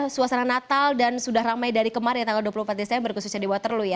suasana natal dan sudah ramai dari kemarin tanggal dua puluh empat desember khususnya di waterloo ya